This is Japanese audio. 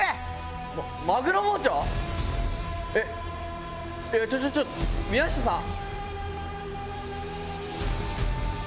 マグロ包丁⁉えっちょちょ宮下さん！